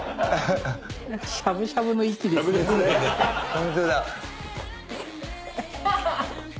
ホントだ。